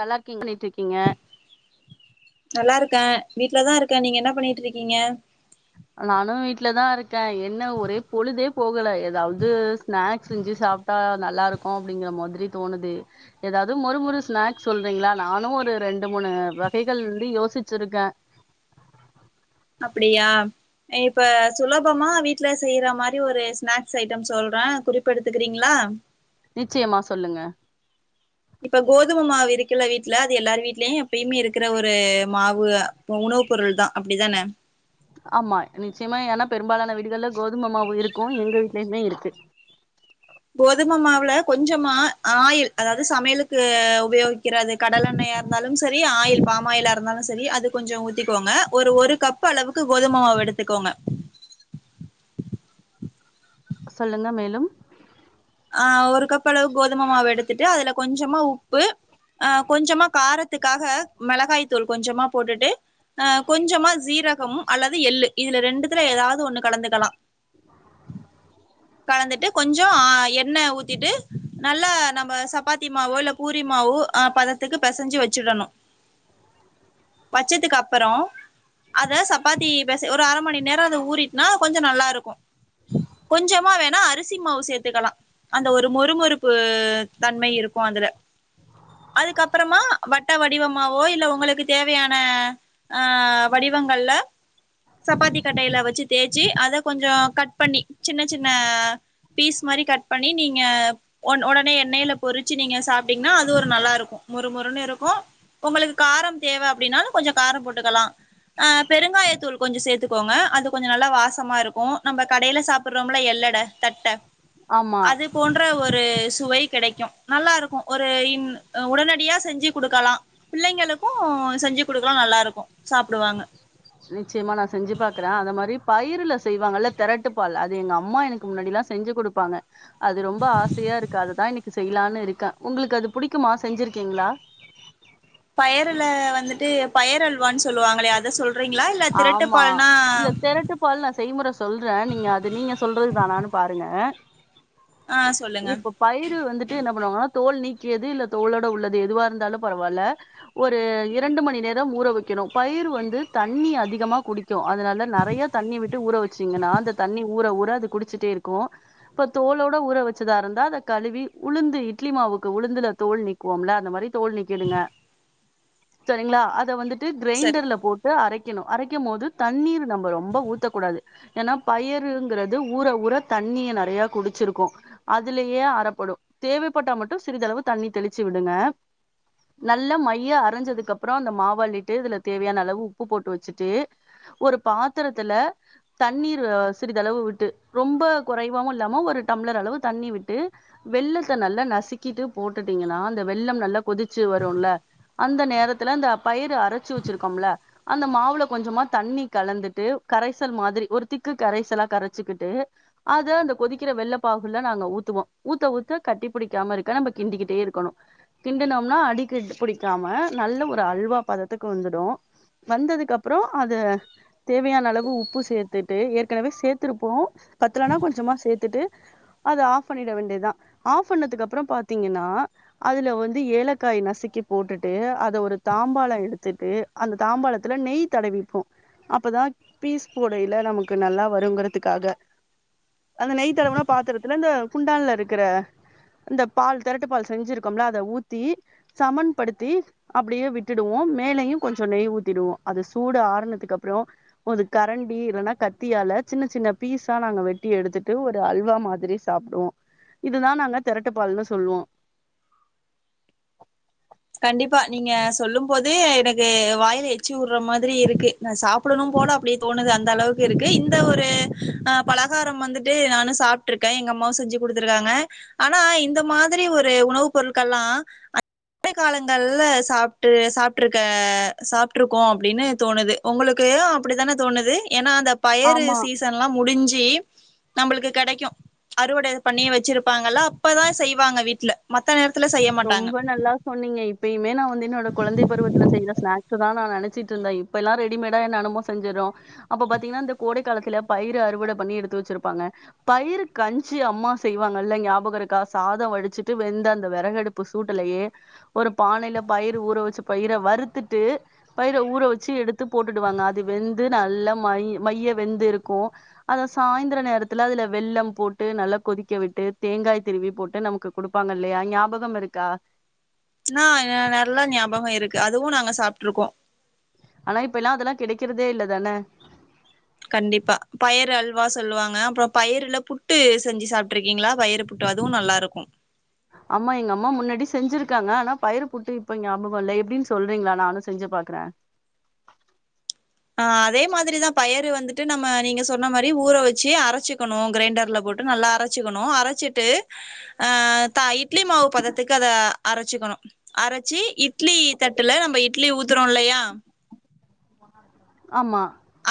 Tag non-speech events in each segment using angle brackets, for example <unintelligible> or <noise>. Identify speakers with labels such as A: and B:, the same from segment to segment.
A: நல்லாயிருக்கீங்ளே
B: நல்லா இருக்க வீட்லதா இருக்க நீங்க என்னா பண்ணிற்றிருக்கீங்க
A: நானு வீட்டுலதா இருக்க என்ன ஒரே பொழுதே போகல எதாவது ஸ்நாக்ஸ் செஞ்சு சாப்பிட்டா நல்லா இருக்கூ அப்படிங்கிற மாதிரி தோணுது எதாவது மொறு மொறு ஸ்நாக்ஸ் சொல்றீங்களா நானு ஒரு ரெண்டு மூணு வகைகள் வந்து யோசிச்சிருக்க
B: அப்படியா இப்ப சுலபமா வீட்ல செய்யற மாரி ஒரு ஸ்நாக்ஸ் ஐட்டம் சொல்ற குறிப்பு எடுத்துக்கறீங்ளா
A: நிச்சயமா சொல்லுங்க
B: இப்ப கோதுமை மாவு இருக்கில்ல வீட்ல அது எல்லார் வீடலயு எப்பயுமே இருக்கிற ஒரு மாவு உணவு பொருள்தா அப்டிதான
A: ஆமா நிச்சயமா ஏன்னா பெரும்பாலான வீடுகள்ள கோதுமமாவு இருக்கூ எங்க வீட்லையுமே இருக் த்து
B: ப்ல கொஞ்சமா ஆயில் அதாவது சமையலுக்கு உபயோகிக்ற அது கடலெண்ணெயா இருந்தாலும் சரி ஆயில் பாம் ஆயிலா இருந்தாலு சரி அது கொஞ்சோ ஊத்திக்கோங்க ஒரு ஒரு கப் அளவுக்கு கோதும மாவு எடுத்துக்கோங்க
A: சொல்லுங்க மேலும்
B: ஆஹ் ஒரு கப் அளவு கோதும மாவு எடுத்துட்டு அதல கொஞ்சமா உப்பு அஹ் கொஞ்சமா காரத்துக்காக மெளகாய் தூள் கொஞ்சமா போட்டுட்டு அ கொஞ்சமா ஜீரகம் அல்லது எள்ளு இதுல ரெண்டுத்துல எதாவது ஒண்ணு கலந்துக்கலா கலந்துட்டு கொஞ்சோ அ எ ண்ண ஊத்திட்டு நல்ல நம்ப சப்பாத்திமாவோ இல்ல பூரி மாவு அ பதத்துக்கு பெசஞ்சி வெச்சிடணு. வெச்சதுக்கு அப்பறோ அத சப்பாத்தி பெச ஒரு அரை மணி நேரொ அது ஊறிட்னா கொஞ்சொ நல்லா இருக்கு கொஞ்சமா வேணா அரிசி மாவு சேத்துக்கலா அந்த ஒரு மொறுமொறுப்பு தன்மை இருக்கு அதுல அதுக்கப்பறமா வட்ட வடிவமாவோ இல்ல உங்களுக்கு தேவையான அஹ் வடிவங்கள்ல சப்பாத்தி கட்டையில வெச்சு தேய்ச்சி அத கொஞ்சோ கட் பண்ணி சின்ன சின்ன பீஸ் மாரி கட் பண்ணி நீங்க ஒன் ஒடனே எண்ணையில பொரிச்சு நீங்க சாப்டீங்னா அது ஒரு நல்லாருக்கு மொறுமொறுனு இருக்கு உங்களுக்கு காரம் தேவ அப்டினாலு கொஞ்சோ காரோ போட்டுக்கலா அ பெருங்காயத்தூள் கொஞ்சோ சேத்துக்கோங்க அது கொஞ்சோ நல்லா வாசமா இருக்கு நம்ப கடையில சாப்ட்றோம்ல எள்ளட தட்ட
A: ஆமா
B: அது போன்ற ஒரு சுவை கிடைக்கு நல்லா இருக்கு ஒரு இன் அ உடனடியா செஞ்சி குடுக்கலா பிள்ளைங்களுக்கூ செஞ்சு குடுக்கலா நல்லாருக்கு சாப்டுவாங்க
A: நிச்சயமா நா செஞ்சு பாக்கறே அந்த மாரி பயிருல செய்வாங்கல்ல தெரட்டு பால்ல அது எங்க அம்மா எனக்கு முன்னாடிலா செஞ்சு குடுப்பாங்க அது ரொம்ப ஆசையா இருக்கு அதுதா இன்னிக்கு செய்யலானு இருக்கே உங்ளுக்கு அது புடிக்குமா செஞ்சிருக்கிங்ளா
B: பயருல வந்துட்டு பயரல்வான் சொல்லுவாங்களே அத சொல்
A: ஆமா இல்ல தெரட்டு பால் நா செய்முற சொல்ற நீங்க அது நீங்க சொல்றது தானானு பாருங்க
B: ஆ சொல்லுங்க
A: இப்ப பயிரு வந்துட்டு என்ன பண்ணுவாங்கனா தோல் நீக் கியது இல்ல தோலோட உள்ளது எதுவா இருந்தாலு பரவால்ல ஒரு இரண்டு மணி நேர் ரம் ஊற வெக்கணு பயிரு வந்து தண் ண்ணி அதிகமா குடிக்கு அதுனால நறையா தண்ணி விட்டு ஊற வெச்சீங்கனா அந்த தண்ணி ஊற ஊற அது குடிச்சுட்டே இருக்கூ இப்ப தோலோட ஊற வெச்சதாருந்தா அத கழுவி உளுந்து இட்லி மாவுக்கு உளுந்துல தோல் நீக்குவோம்ல அந்த மாரி தோல் நீக்கிடுங்க செரிங்ளா அத வந்துட் டு
B: சரி
A: கிரைண்டர்ல போட் ட்டு அரைக்கிணு அரைக்கிம் மோது தண்ணீரு நம்ப ரொம்ப ஊத்தக்கூடாது ஏனா பயருங்கறது ஊற ஊற தண்ணிய நறையா குடிச்சிருக்கூ அதுலையே அரப்படு தேவைப்பட்டா மட்டு சிறிதளவு தண்ணி தெளிச்சு விடுங்க நல்லா மைய்ய அரைஞ்சதுக்கப்றோ அந்த மாவள்ளிட்டு இதுல தேவையான அளவு உப் ப்பு போட்டு வெச்சிட்டு ஒரு பாத்தரத்துல தண்ணீரு அ சிறிதளவு விட்டு ரொம்ப கொறைவாவு இல்லாம ஒரு டம்ளர் அளவு தண்ணி விட்டு வெல்லத்த நல்லா நசுக்கிட்டு போட்டுட்டீங்கனா அந்த வெல்லம் நல்லா கொதிச்சு வருல்ல அந்த நேரத்துல அந்த பயிரு அரச்சு வெச்சிருக்கோம்ல்ல அந்த மாவுல கொஞ்சமா தண்ணி கலந்துட்டு கரைசல் மாதிரி ஒரு திக்கு கரைசலா கரச்சுக்கிட்டு அத அந்த கொதிக்கிற வெள்ள பாகுல நாங்க ஊத்துவோ ஊத்த ஊத்த கட்டி புடிக்காம இருக்க நம்ம கிண்டிக்கிட்டே இருக்கணு கிண்டுனம்னா அடி கிட் புடிக்காம நல்ல ஒரு அல்வா பதத்துக்கு வந்துடு வந்ததுக்கு அப்றோ அத தேவையான அளவு உப்பு சேத்துட்டு ஏற்கனவே சேத்துருப்போ பத்தலனா கொஞ்சமா சேத் திட்டு அத ஆஃப் ஃபண்ணிட வேண்டியதா ஆஃப் பண்ணதுக்கு அப்றோ பாத்தீங்கன்னா அதுல வந்து ஏலக்காய் நசுக்கி போட்டுட்டு அத ஒரு தாம்பாளொ எடுத்துட்டு அந்த தாம்பாலத்துல நெய் தடவிப்போ அப்பதா பீஸ் போடையில நமக்கு நல்லா வருங்கறத்துக்காக அந்த நெய் தடவுன பாத்தரத்துல இந்த குண்டான்ல இருக்கற அந்த பால் தெரட்டு பால் செஞ்சிருக்கோம்ல அத ஊத்தி சமன் படுத்தி அப்டியே விட்டுடுவோ மேலையு கொஞ் சொ நெய் ஊத்திடுவோ அது சூடு ஆறனதுக்கு அப்றோ ஒரு கரண்டி இல்லனா கத்தியால சின்ன சின்ன பீஸா நாங்க வெட்டி எடுத்துட்டு ஒரு அல்வா மாதிரி சாப்டுவோ இதுதா நாங்க தெரட்டு பால்னு சொல்வோ
B: கண்டிப்பா நீங்க சொல்லும் போதே எனக்கு வாய்ல எச்சி ஊர்ற மாதிரி இருக்கு நா சாப்படணும் போல அப்டியே தோணுது அந்த அளவுக்கு இருக்கு இந்த ஒரு ஆஹ் பலகாரம் வந்துட்டு நானு சாப்ட்ருக்கே எங்க அம்மாவு செஞ்சு குடுத்துருக்காங்க ஆனா இந்த மாதிரி ஒரு உணவு பொருட்கள்லா <unintelligible> காலங்கள்ல சாப்ட்டு சாப்ட்ருக்க சாப்ட்ருக்கோ அப்டினு தோணுது ஒங்களுக்யோ அப்டித்தான தோணுது ஏனா அந்த பயறு
A: ஆமா
B: சீசன்லா முடிஞ்ச் சி நம்பளுக்கு கெடைக்கூ அறுவட பண்ணி வெச்சிருப்பாங்கள்ல அப்பதா செய்வாங்க வீட்ல மத்த நேரத் துல செய்ய மாட்டாங்க
A: ரொம்ப நல்லா சொன்னீங்க இப்பயுமே நா வ ந்து என்னோட குழந்தை பருவத்துல செய்த ஸ்நாக்ஸு தா நா நெனச்சுட்ருந்தே இப்ப எல்லா ரெடிமேடா என்ன என்னமோ செஞ்சிர்றோ அப்ப பாத்தீங்கனா இந்த கோடைக் காலத்துல பயிறு அறுவட பண்ணி எடுத்து வெச்சுருப்பாங்க பயிறு கஞ்சி அம்மா செய்வாங்கள்ல நியாபக இருக்கா சாத வடிச்சுட்டு வெந்த அந்த வெறகடுப் பு சூட்டுலயே ஒரு பானைல பயிறு ஊற வெச்ச பயிற வறுத்துட்டு பயிற ஊற வெச்சு எடுத்து போட்டுடுவாங்க அது வெந்து நல்ல மை மைய வெந்து இருக்கூ அத சாய்ந்தர நேரத்துல அதல வெல்லம் போட்டு நல்லா கொதிக்க விட்டு தேங்காய் திருவி போட்டு நமக்கு குடுப்பாங்க இல்லயா ஞாபகம் இருக் க்கா
B: நா ஏ நல்லா ஞாபகோ இருக்கு அதுவு நாங்க சாப்ட்ருக்கோம்
A: ஆனா இப்பெல்லாம் அதெல்லா கெடைக்கிறதே இல்ல தான
B: கண்டிப்பா பயறு அல்வா சொல்லுவாங்க அப்றோ பயறுல புட்டு செஞ்சு சாப்ட்ருக்கீங்ளா பயறு புட்டு அதுவு நல்லாருக்கு
A: அம்மா எங்க அம்மா முன்னடி செஞ்சிருக்காங்க ஆனா பயறு புட்டு இப்ப ஞாபகோ இல்ல எப்டின்னு சொல்றீங்ளா நானு செஞ்சு பாக்றே
B: ஆ அதே மாதிரிதா பயறு வந்துட்டு நம்ம நீங்க சொன்ன மாரி ஊற வச்சு அரச்சுக்கணு கிரைண்டர்ல போட்டு நல்லா அரச்சுக்கணு அரச்சிட்டு ஆ தா இட் இட்லி மாவு பதத்துக்கு அத அரச்சுக்கணு அரச்சு இட்லி தட்டுல நம்ப இட்லி ஊத்துறோ இல்லயா
A: ஆமா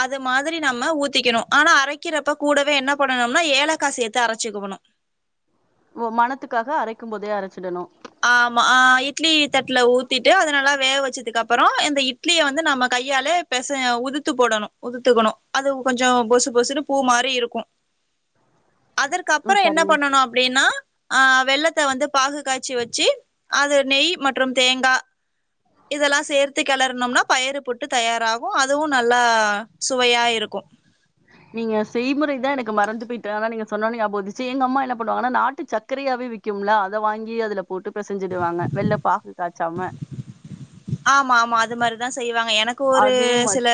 B: அது மாதிரி நம்ம ஊத்திக்கணு ஆனா அரைக்கிறப்ப கூடவே என்ன பண்ணனும்னா ஏலக்கா சேத்து அரச்சுக்குவணு
A: ஓ மனத்துக்காக அரைக்கும் போதே அரச்சிடணு
B: ஆமா ஆ இட்லி தட்டுல ஊத்திட்டு அத நல்லா வேக வச்சத்துக்கு அப்பறோ அந்த இட்லிய வந்து நம்ம கையாலே பெச உதுத்து போடணு உதுத்துக்கணு அது கொஞ்ச பொசு பொசுனு பூ மாரி இருக்கும்
A: ம்
B: அதற்கப்பறோ என்ன
A: சரிங்க
B: பண்ணனு அப்டினா ஆ வெல்லத்த வந்து பாகு காய்ச் ச்சு வச்சி அது நெய் மற்றும் தேங்கா இதெல்லா சேர்த்து கெளறுனம்னா பயறு புட்டு தயாராகு அதுவு நல்லா சுவையா இருக்கு
A: நீங்க செய்முறைதா எனக்கு மறந்து போயிட்டு ஆனா நீங்க சொன்னோனே நியாபகோ வந்துச்சு எங்க அம்மா என்ன பண்ணுவாங்கனா நாட்டு சக்கரையாவே விக்யும்ல அத வாங்கி அதுல போட்டு பெசஞ்சிடுவாங்க வெள்ள பாகு காய்ச்சாம
B: ஆமா ஆமா அது மாதிரிதா செய்வாங்க எனக்கு ஒரு
A: அதே மாரி
B: சில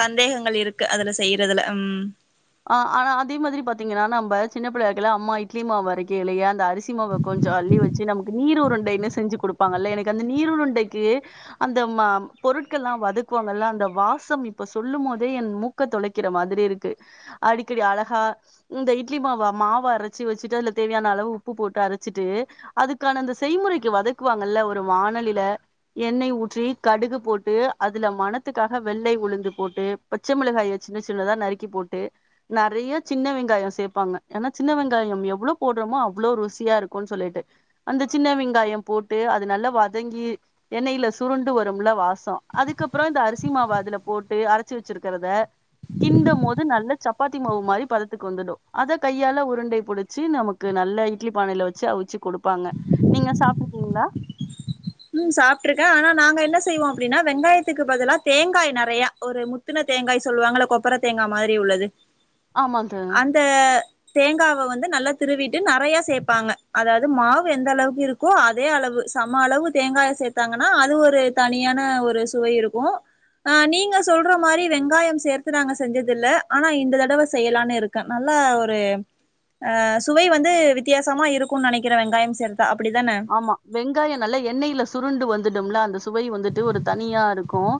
B: சந்தேகங்கள் இருக்கு அதுல செய்யிறதுல்ல ம்
A: ஆ ஆனா அதே மாதிரி பாத்தீங்கன்னா நம்ப சின்ன புள்ளையா இருக்கையில அம்மா இட்லி மாவு அரைக்கையிலேயே அந்த அரிசி அரிசிமாவ கொஞ்சோ அள்ளி வச்சு நமக்கு நீர் உருண்டைன்னு செஞ்சு குடுப் ப்பாங்கள எனக்கு அந்த நீர் உருண்டைக்கு அந்த ஆ பொருட்கள்லாம் வதக்குவாங்கள அந்த வாசம் இப்ப சொல்லும் மோதே என் மூக்க தொலைக்கிற மாதிரி இருக்கு அடிக்கடி அழகா இந்த இட்லி மாவ மாவரச்சு வச்சுட்டு அதுல தேவையான அளவு உப்பு போட்டு அரச்சிட்டு அதுக்கான அந்த செய்முறைக்கு வதக்குவாங்கல்ல ஒரு வானலில எண்ணெய் ஊற்றி கடுகு போட்டு அதுல மணத்துக்காக வெள்ளை உளுந்து போட்டு பச்ச மிளகாய சின்ன சின்னதா நறுக்கி போட்டு நறைய சின்ன வெங்காயோ சேப்பாங்க ஏன்னா சின்ன வெங்காயம் எவ்ளோ போடுறோமோ அவ்ளோ ருசியா இருக்குன்னு சொல்லிட்டு அந்த சின்ன வெங்காயோ போட்டு அது நல்லா வதங்கி எண்ணெயில சுருண்டு வரும்முல வாசோ அதுக்கப்புறோ இந்த அரிசி மாவ அதுல போட்டு அரச்சு வச்சிருக்கறத கிண்ட மோது நல்ல சப்பாத்தி மாவு மாரி பதத்துக்கு வந்துடும் அத கையால உருண்டை புடிச்சு நமக்கு நல்ல இட்லி பானைல வச்சு அவுச்சு கொடுப்பாங்க நீங்க சாப்ட்ருக்கீங்களா
B: ம் சாப்ட்ருக்கே ஆனா நாங்க என்ன செய்வோ அப்டின்னா வெங்காயத்துக்கு பதிலா தேங்காய் நறையா ஒரு முத்துன தேங்காய் சொல்லுவாங்கல்ல கொப்பர தேங்கா மாதிரி உள்ளது
A: ஆமா தோ
B: அந்த தேங்காவ வந்து நல்லா திருவிட்டு நறைய சேப்பாங்க அதாவது மாவு எந்த அளவுக்கு இருக்கோ அதே அளவு சம அளவு தேங்காய சேத்தாங்கன்னா அது ஒரு தனியான ஒரு சுவை இருக்கும் ஆ நீங்க சொல்ற மாரி வெங்காயம் சேர்த்து நாங்க செஞ்சதில்ல ஆனா இந்த தடவை செய்லான்னு இருக்கே நல்லா ஒரு ஆ சுவை வந்து வித்யாசமா இருக்கும் நனைக்கிறே வெங்காயம் சேர்த்து
A: ஆமா வெங்காயோ நல்லா எண்ணெயில சுருண்டு வந்துடும்ல அந்த சுவை வந்துட்டு ஒரு தனியா இருக்கும்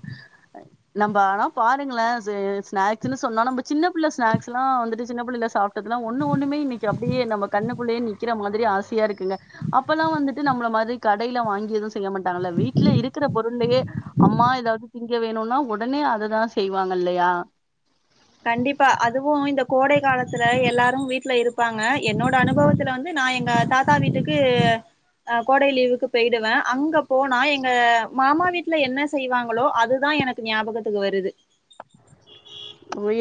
A: நம்ப ஆனா பாருங்களே சு ஸ்நாக்ஸுன்னு சொன்னா நம்ப சின்ன புள்ள ஸ்நாக்ஸ்லாம் வந்துட்டு சின்ன புள்ளையில சா பாத்தினா ஒண்ணு ஒண்ணுமே இன்னைக்கி அப் அப்டியே நம்ம கண்ணுக்குள்ளயே நிக்கிற மாதிரி ஆசையா இருக்குல்ல அப் இப்பல்லா வந்துட்டு நம்மள மாதிரி கடையில வாங்கி எதும் செய்ய மாட்டாங்கல்ல வீட்ல இருக்குற பொருள்ளயே அம்மா எதாவது திங்க வேணும்னா ஒடனே அததா செய்வாங்க இல்லையா
B: கண்டிப்பா அதுவும் இந்த கோடை காலத்துல எல்லாரும் வீட்ல இருப்பாங்க என்னோட அனுபவத்துல வந்து நா எங்க தாத்தா வீட்டுக்கு அ கோடை லீவுக்கு போயிடுவேன் அங்க போனா எங்க மாமா வீட்டுல என்ன செய்வாங்களோ அதுதா எனக்கு ஞாபகத்துக்கு வருது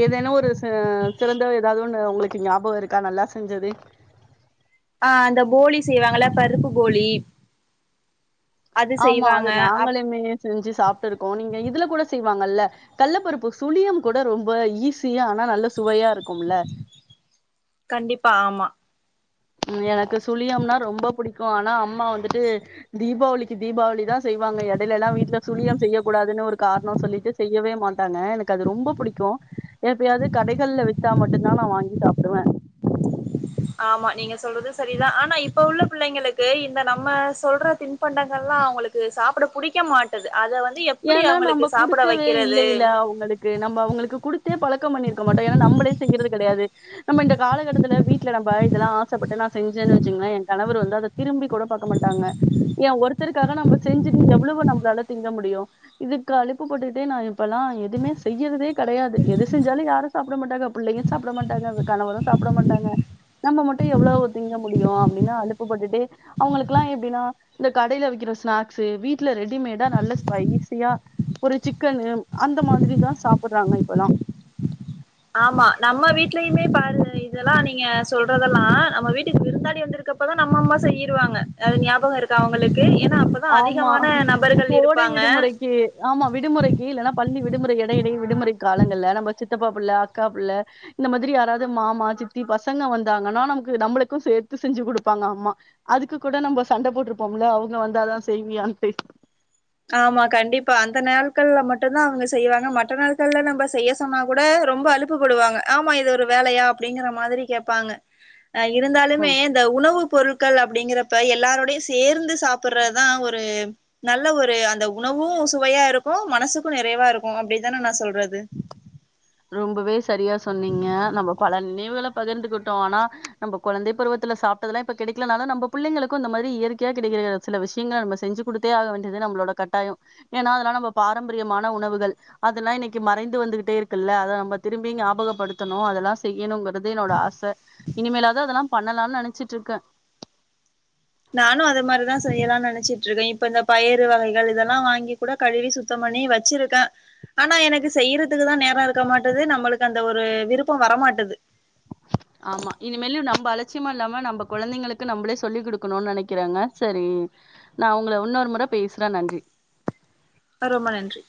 A: எதனா ஒரு ச சிறந்த ஏதாவது ஒண்ணு உங்களுக்கு ஞாபகோ இருக்கா நல்லா செஞ்சது
B: ஆ அந்த போலி செய்வாங்கல்ல பருப்பு போலி அது
A: ஆமா அது
B: செய்வாங்க அப்
A: நாங்களுமே செஞ்சு சாப்ட்டுருக்கோம் நீங்க இதுல கூட செய்வாங்கல்ல கல்லபருப்பு சுழியம் கூட ரொம்ப ஈஸியா ஆனா நல்ல சுவையா இருக்கும்ல
B: கண்டிப்பா ஆமா
A: ம் எனக்கு சுழியம்னா ரொம்ப புடிக்கும் ஆனா அம்மா வந்துட்டு தீபாவளிக்கு தீபாவளி தா செய்வாங்க எடையிலலாம் வீட்டுல சுழியம் செய்ய கூடாதுன்னு ஒரு காரணோ சொல்லிட்டு செய்யவே மாட் ட்டாங்க எனக்கு அது ரொம்ப புடிக்கும் எப்பயாது கடைகள்ல வித்தா மட்டும்தா நா வாங்கி சாப்டுவேன்
B: ஆமா நீங்க சொல்றது சரிதான் ஆனா இப்ப உள்ள பிள்ளைங்களுக்கு இந்த நம்ம சொல்ற தின்பண்டங்கள் எல்லாம் அவங்களுக்கு சாப்பிட புடிக்க மாட்டேங்குது
A: ஏன்னா நம்ம குடுக்கவே
B: வைக்கிறது
A: இல்லையில்லே அவங்களுக்கு நம்ம அவங்களுக்கு குடுக்க பழக்கம் பண்ணிருக்க மாட்டோம் ஏன்னா நம்மளே செயறது கிடையாது நம்ம இந்த காலகட்டத்துல வீட்டுல நம்ம இதெல்லாம் ஆசைப்பட்டு நான் செஞ்சேன்னு வச்சுக்கங்களேன் என் கணவர் வந்து அதை திரும்பி கூட பார்க்க மாட்டாங்க ஏன் ஒருத்தருக்காக நம்ம செஞ்சுட்டு எவ்வளவு நம்மளால திங்க முடியும் இதுக்கு அழுப்புப்பட்டுட்டே நான் இப்ப எல்லாம் எதுவுமே செய்யறதே கிடையாது எது செஞ்சாலும் யாரும் சாப்பிட மாட்டாங்க பிள்ளையும் சாப்பிட மாட்டாங்க கணவரும் சாப்பிட மாட்டாங்க நம்ம மட்டும் எவ்வளவு திங்க முடியும் அப்படின்னு அழுப்புப்பட்டுட்டே அவங்களுக்கு எல்லாம் எப்படின்னா இந்த கடையில வைக்கிற ஸ்நாக்ஸு வீட்டுல ரெடிமேடா நல்ல ஸ்பைஸ் ஒரு சிக்கன் அந்த மாதிரிதான் சாப்பிடுறாங்க இப்பல்லாம்
B: ஆமா நம்ம வீட்லயுமே பாருங்க இதெல்லாம் நீங்க சொல்றதெல்லாம் நம்ம வீட்டுக்கு விருந்தாளி வந்திருக்கப்பதான் நம்ம அம்மா செய்யிருவாங்க அது ஞாபகம் இருக்கா அவங்களுக்கு
A: ஆமா கோடை
B: இருப்பாங்க
A: விடுமுறைக்கு ஆமா விடுமுறைக்கு இல்லைன்னா பள்ளி விடுமுறை இடையிடையே விடுமுறை காலங்கள் நம்ம சித்தப்பா புள்ள அக்கா புள்ள இந்த மாதிரி யாராவது மாமா சித்தி பசங்க வந்தாங்கன்னா நமக்கு நம்மளுக்கும் சேர்த்து செஞ்சு கொடுப்பாங்க அம்மா அதுக்கு கூட நம்ம சண்டை போட்டிருப்போமில்லே அவங்க அதான் செய்வியான்
B: ஆமா கண்டிப்பா அந்த நேரத்திலே மட்டும்தான் அவங்க செய்வாங்க மற்ற நாட்கள்ல நம்ம செய்ய சொன்னா கூட ரொம்ப அலுப்புப்படுவாங்க ஆமா இது ஒரு வேலையா அப்படிங்கிற மாதிரி கேட்பாங்க அஹ் இருந்தாலுமே இந்த உணவு பொருட ள் அப்படிங்கறப்ப எல்லாரருடையும் சேர்ந்து சாப்பிடுறதுதான் ஒரு நல்ல ஒரு ஒரு அந்த உணவு சுவையா இருக்கு மனசுக்கு நிறைவாருக்கு அப்டித்தான நா சொல்றது
A: ரொம்பவேஸ் சரியா சொன்னீங்க நம்ம பலனே வுகள பகிர்ந்துக்கிட்டோ ஆனா நம்ம குழந்தை பருவத்துல சாப்பிட்டததுல்லா இப்ப கிடைக்கனால நம்ம புள்ளைங்கக்கு இந்த மாரி இயற்கையா கிடை சில விஷயங்களை நம்ம செஞ்சு கொடுத்தே ஆகன்றது நம்மளோட கட்டாய ஏன்னா அதெல்லா நம்ம பாரம்பரியமான உணவுகள் அதெல்லா இன்னைக்கு மறைந்து வந்துகிட்டே இரு இல்ல அத நம்ம திரும்பி ஞாபகப்படுத்தணு அதெல்லா செய்யணும்ங்க து என்னோட ஆச இனிமேலாவது அதெல்லா பண்ணலானு நெனைச்சிட்டுருக்கே
B: நானு அத மாரிதா செய்யலாம்னு நெனைச்சிட்டு இருக்கே இப்ப இந்த பயிறு வகைகள் இதெல்லா வாங்கி கூட கழுவி சுத்தம் பண்ணி வச்சிருக்கே ஆனா எனக்கு செய்யறதுக்குதா நேர இருக்க மாட்டது நம்மளுக்கு அந்த ஒரு விருப்பம் வரமாட்டது
A: ஆமா இனிமேல நம்ம அலட்சியமா இல்லாம நம்ம குழந்தைங்களுக்கு நம்மளே சொல்லிக் கொடுக்கணும்னு நினைக்கிறாங்க சரி நான் உங்களை இன்னொரு முறை பேசுறேன் நன்றி
B: ரொம்ப நன்றி